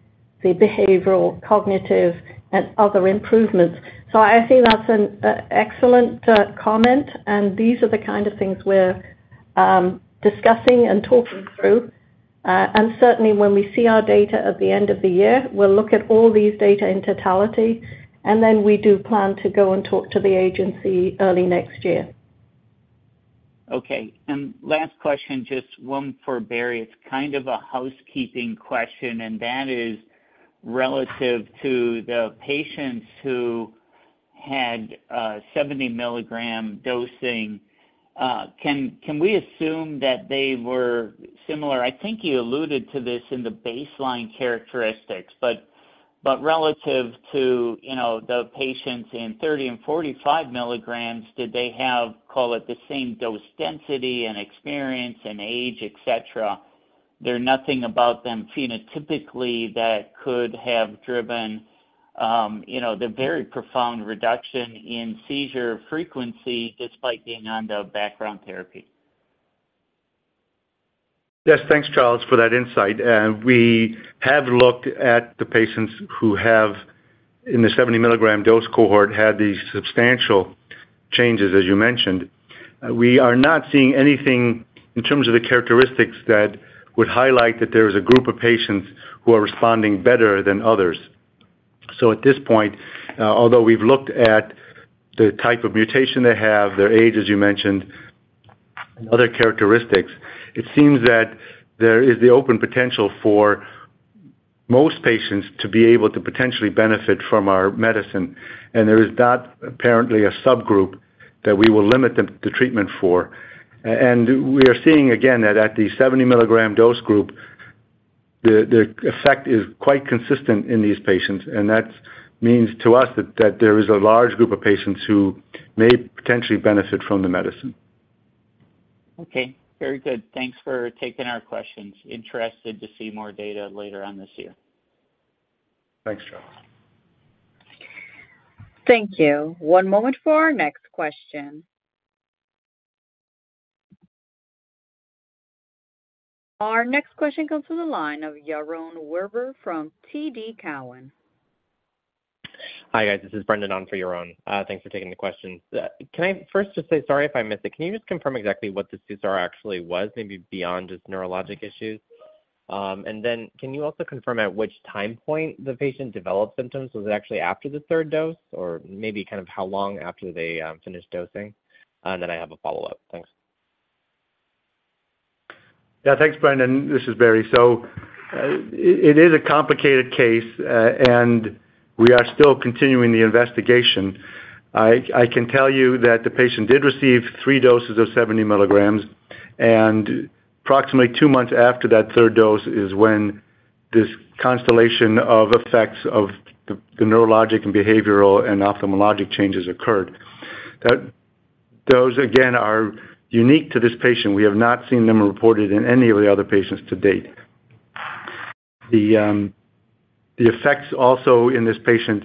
the behavioral, cognitive, and other improvements. I think that's an excellent comment, and these are the kind of things we're discussing and talking through. Certainly, when we see our data at the end of the year, we'll look at all these data in totality, and then we do plan to go and talk to the agency early next year. Okay. Last question, just one for Barry. It's kind of a housekeeping question, and that is relative to the patients who had 70 milligram dosing. Can we assume that they were similar? I think you alluded to this in the baseline characteristics, but relative to, you know, the patients in 30 and 45 milligrams, did they have, call it, the same dose density and experience and age, et cetera? There are nothing about them phenotypically that could have driven, you know, the very profound reduction in seizure frequency despite being on the background therapy. Yes. Thanks, Charles, for that insight. We have looked at the patients who have, in the 70 milligram dose cohort, had these substantial changes, as you mentioned. We are not seeing anything in terms of the characteristics that would highlight that there is a group of patients who are responding better than others. At this point, although we've looked at the type of mutation they have, their age, as you mentioned, and other characteristics, it seems that there is the open potential for most patients to be able to potentially benefit from our medicine, and there is not apparently a subgroup that we will limit the treatment for. We are seeing again, that at the 70 milligram dose group, the effect is quite consistent in these patients, and that means to us that there is a large group of patients who may potentially benefit from the medicine. Okay, very good. Thanks for taking our questions. Interested to see more data later on this year. Thanks, Charles. Thank you. One moment for our next question. Our next question comes from the line of Yaron Werber from TD Cowen. Hi, guys. This is Brendan on for Yaron. Thanks for taking the questions. Can I first just say, sorry if I missed it. Can you just confirm exactly what the seizure actually was, maybe beyond just neurologic issues? Can you also confirm at which time point the patient developed symptoms? Was it actually after the third dose, or maybe kind of how long after they finished dosing? I have a follow-up. Thanks. Yeah. Thanks, Brendan. This is Barry. It is a complicated case, and we are still continuing the investigation. I can tell you that the patient did receive 3 doses of 70 milligrams. Approximately 2 months after that third dose is when this constellation of effects of the neurologic and behavioral and ophthalmologic changes occurred. Those again, are unique to this patient. We have not seen them reported in any of the other patients to date. The effects also in this patient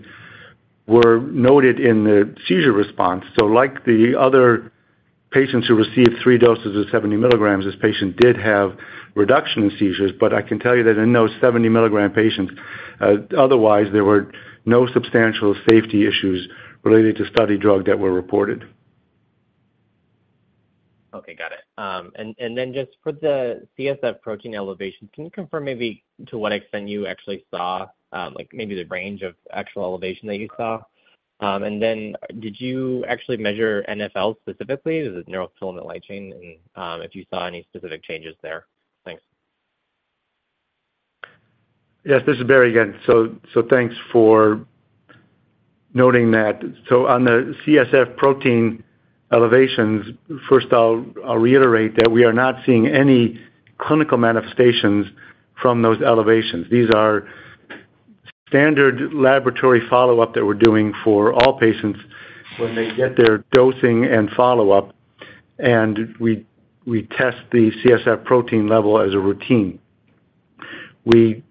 were noted in the seizure response. Like the other patients who received 3 doses of 70 milligrams, this patient did have reduction in seizures, but I can tell you that in those 70 milligram patients, otherwise, there were no substantial safety issues related to study drug that were reported. Okay, got it. Just for the CSF protein elevation, can you confirm maybe to what extent you actually saw, like maybe the range of actual elevation that you saw? Did you actually measure NfL specifically, the neurofilament light chain, and if you saw any specific changes there? Thanks. Yes, this is Barry again. Thanks for noting that. On the CSF protein elevations, first I'll reiterate that we are not seeing any clinical manifestations from those elevations. These are standard laboratory follow-up that we're doing for all patients when they get their dosing and follow-up, and we test the CSF protein level as a routine. We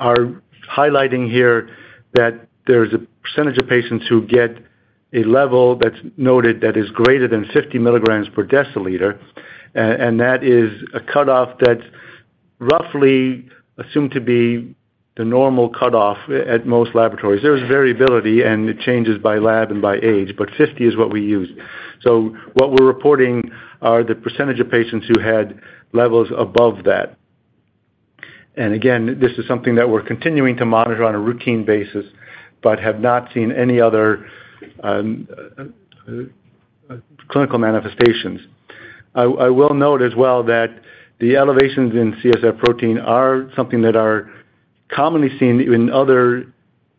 are highlighting here that there's a percentage of patients who get a level that's noted that is greater than 50 milligrams per deciliter, and that is a cutoff that's roughly assumed to be the normal cutoff at most laboratories. There's variability, and it changes by lab and by age, but 50 is what we use. What we're reporting are the percentage of patients who had levels above that. Again, this is something that we're continuing to monitor on a routine basis but have not seen any other clinical manifestations. I will note as well that the elevations in CSF protein are something that are commonly seen in other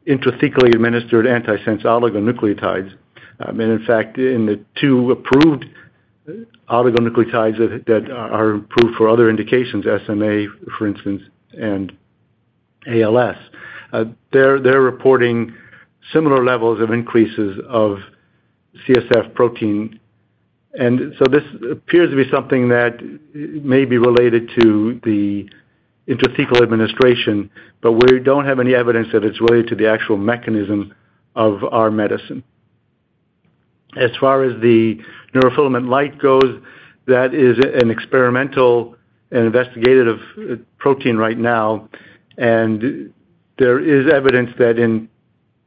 intracerebrally administered antisense oligonucleotides. In fact, in the two approved oligonucleotides that are approved for other indications, SMA, for instance, and ALS, they're reporting similar levels of increases of CSF protein. This appears to be something that may be related to the intrathecal administration, but we don't have any evidence that it's related to the actual mechanism of our medicine. As far as the neurofilament light goes, that is an experimental and investigative protein right now. There is evidence that in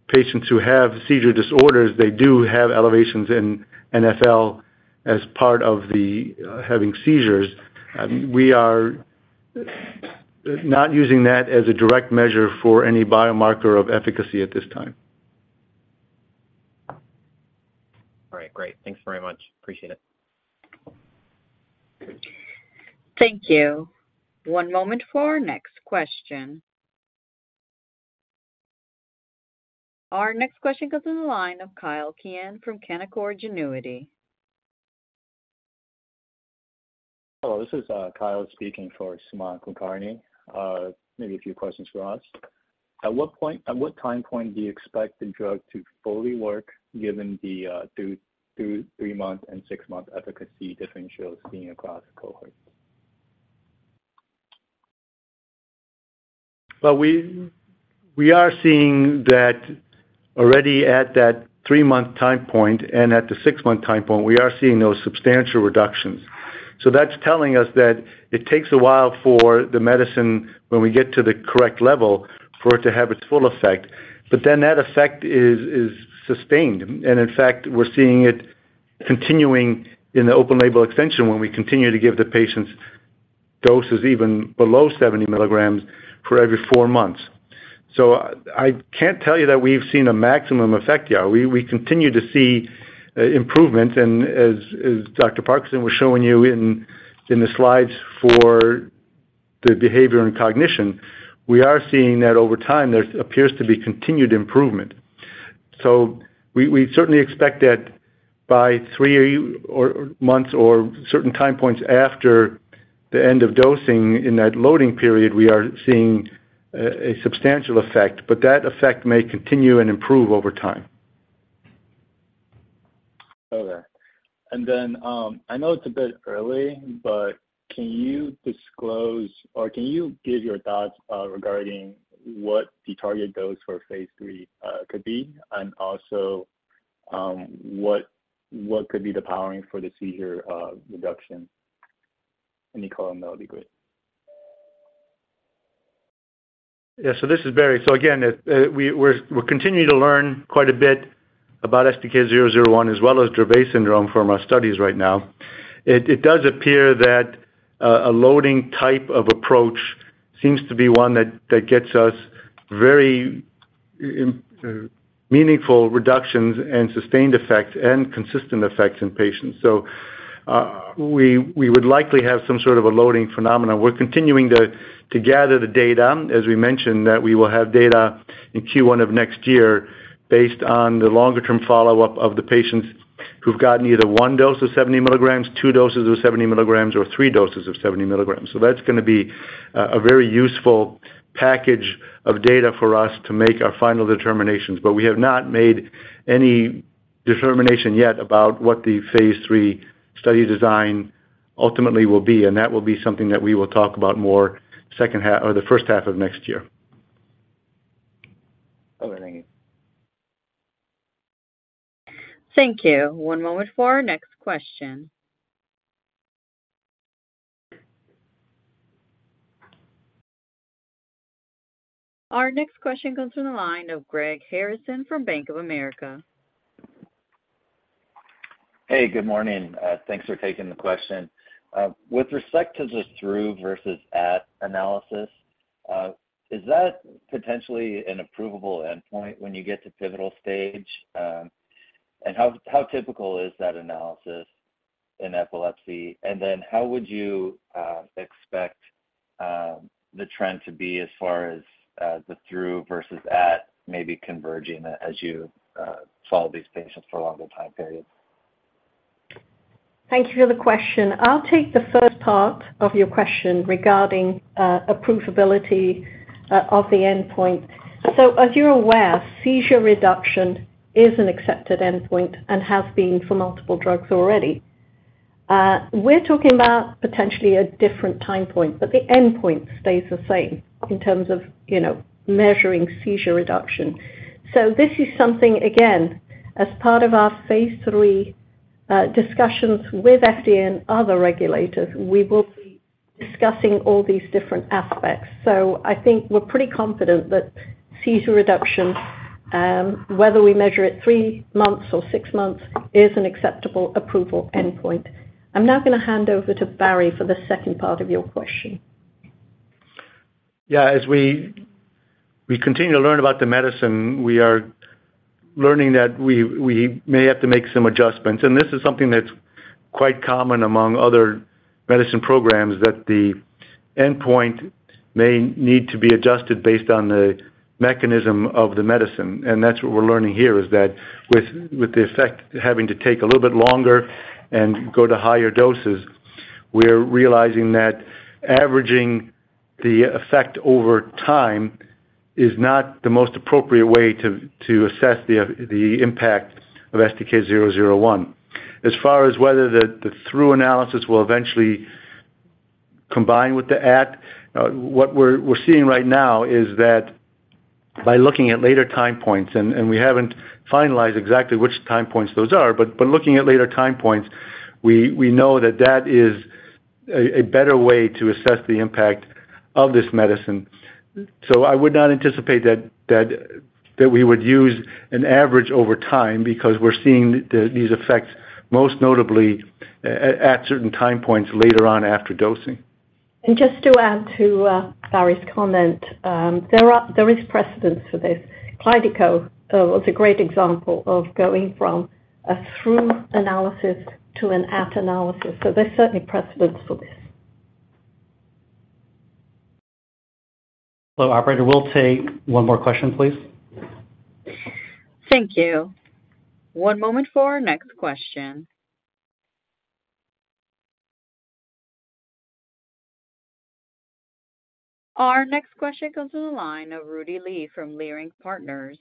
patients who have seizure disorders, they do have elevations in NfL as part of having seizures. We are not using that as a direct measure for any biomarker of efficacy at this time. All right, great. Thanks very much. Appreciate it. Thank you. One moment for our next question. Our next question comes in the line of Kyle Mikson from Canaccord Genuity. Hello, this is Kyle speaking for Sumant Kulkarni. Maybe a few questions for us. At what time point do you expect the drug to fully work, given the 2, 3-month and 6-month efficacy differentials seen across the cohort? Well, we are seeing that already at that 3-month time point. At the 6-month time point, we are seeing those substantial reductions. That's telling us that it takes a while for the medicine, when we get to the correct level, for it to have its full effect. That effect is sustained. In fact, we're seeing it continuing in the open-label extension, when we continue to give the patients doses even below 70 milligrams for every 4 months. I can't tell you that we've seen a maximum effect yet. We continue to see improvement, and as Dr. Parkerson was showing you in the slides for the behavior and cognition, we are seeing that over time there appears to be continued improvement. We certainly expect that by 3 or months or certain time points after the end of dosing in that loading period, we are seeing a substantial effect, but that effect may continue and improve over time. Okay. I know it's a bit early, but can you disclose, or can you give your thoughts, regarding what the target dose for phase III could be, and also, what could be the powering for the seizure reduction? Any call, that would be great. This is Barry Ticho. We're continuing to learn quite a bit about STK-001 as well as Dravet syndrome from our studies right now. It does appear that a loading type of approach seems to be one that gets us very meaningful reductions and sustained effects and consistent effects in patients. We would likely have some sort of a loading phenomena. We're continuing to gather the data, as we mentioned, that we will have data in Q1 of next year based on the longer-term follow-up of the patients who've gotten either 1 dose of 70 milligrams, 2 doses of 70 milligrams, or 3 doses of 70 milligrams. That's gonna be a very useful package of data for us to make our final determinations. We have not made any determination yet about what the phase III study design ultimately will be, and that will be something that we will talk about more the H1 of next year. Okay, thank you. Thank you. One moment for our next question. Our next question comes from the line of Greg Harrison from Bank of America. Hey, good morning. Thanks for taking the question. With respect to the through versus at analysis, is that potentially an approvable endpoint when you get to pivotal stage? How typical is that analysis in epilepsy? How would you expect the trend to be as far as the through versus at maybe converging as you follow these patients for a longer time period? Thank you for the question. I'll take the first part of your question regarding approvability of the endpoint. As you're aware, convulsive seizure frequency reduction is an accepted endpoint and has been for multiple drugs already. We're talking about potentially a different time point, but the endpoint stays the same in terms of, you know, measuring convulsive seizure frequency reduction. This is something, again, as part of our Phase III discussions with FDA and other regulators, we will be discussing all these different aspects. I think we're pretty confident that convulsive seizure frequency reduction, whether we measure it 3 months or 6 months, is an acceptable approval endpoint. I'm now gonna hand over to Barry for the second part of your question. Yeah. As we continue to learn about the medicine, we are learning that we may have to make some adjustments. This is something that's quite common among other medicine programs, that the endpoint may need to be adjusted based on the mechanism of the medicine. That's what we're learning here, is that with the effect having to take a little bit longer and go to higher doses, we're realizing that averaging the effect over time is not the most appropriate way to assess the impact of STK-001. As far as whether the through analysis will eventually combine with the at what we're seeing right now is that by looking at later time points, and we haven't finalized exactly which time points those are, but by looking at later time points, we know that that is a better way to assess the impact of this medicine. I would not anticipate that we would use an average over time because we're seeing these effects, most notably at certain time points later on after dosing. Just to add to, Barry's comment, there is precedence for this. Kalydeco was a great example of going from a through analysis to an at analysis, so there's certainly precedence for this. Hello, operator. We'll take one more question, please. Thank you. One moment for our next question. Our next question goes to the line of Rudy Li from Leerink Partners.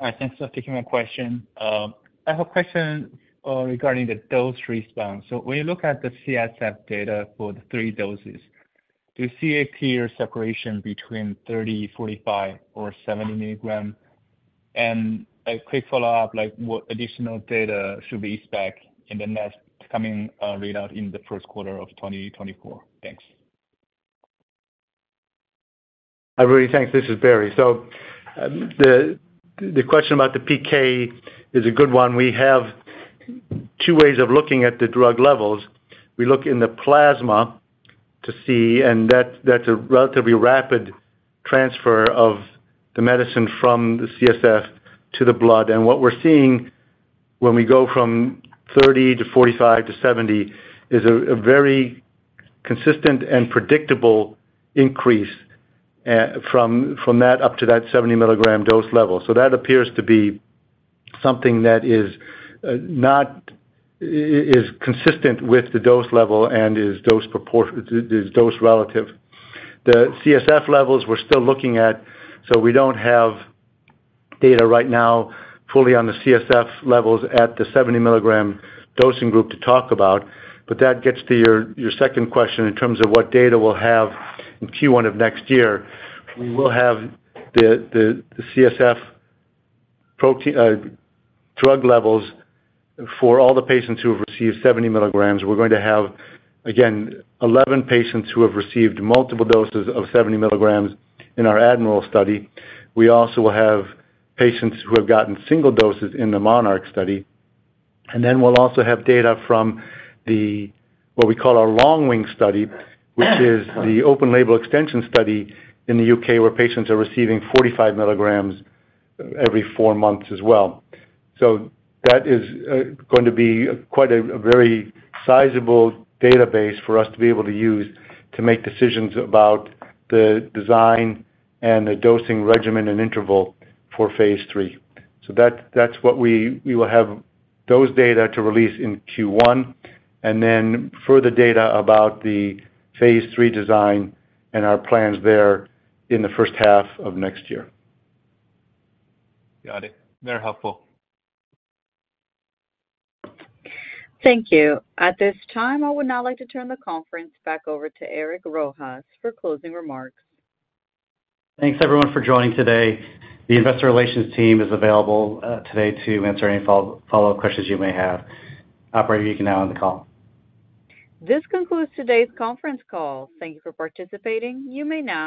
Hi, thanks for taking my question. I have a question regarding the dose response. When you look at the CSF data for the 3 doses, do you see a clear separation between 30, 45 or 70 mg? A quick follow-up, like, what additional data should we expect in the next coming readout in the Q1 of 2024? Thanks. Hi, Rudy. Thanks. This is Barry. The question about the PK is a good one. We have 2 ways of looking at the drug levels. We look in the plasma to see, that's a relatively rapid transfer of the medicine from the CSF to the blood. What we're seeing when we go from 30 to 45 to 70 is a very consistent and predictable increase from that up to that 70 milligram dose level. That appears to be something that is not, is consistent with the dose level and is dose relative. The CSF levels, we're still looking at, so we don't have data right now fully on the CSF levels at the 70 milligram dosing group to talk about. That gets to your second question in terms of what data we'll have in Q1 of next year. We will have the CSF protein drug levels for all the patients who have received 70 milligrams. We're going to have, again, 11 patients who have received multiple doses of 70 milligrams in our ADMIRAL study. We also will have patients who have gotten single doses in the MONARCH study. Then we'll also have data from the, what we call our LONGWING study, which is the open-label extension study in the U.K., where patients are receiving 45 milligrams every 4 months as well. That is going to be quite a very sizable database for us to be able to use to make decisions about the design and the dosing regimen and interval for Phase III. That, that's what we will have those data to release in Q1, and then further data about the phase III design and our plans there in the H1 of next year. Got it. Very helpful. Thank you. At this time, I would now like to turn the conference back over to Eric Rojas for closing remarks. Thanks, everyone, for joining today. The investor relations team is available today to answer any follow-up questions you may have. Operator, you can now end the call. This concludes today's conference call. Thank you for participating. You may now...